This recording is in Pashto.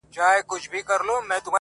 رسنۍ او پوليس صحنه ننداره کوي,